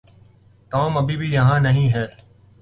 Tom ابھی بھی یہاں نہیں ہے۔